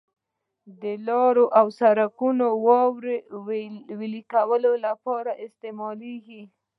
د لارو او سرکونو د واورې ویلي کولو لپاره استعمالیږي.